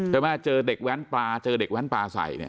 แต่ไม่เจอเด็กแว่นปลาเจอเด็กแว่นปลาใส่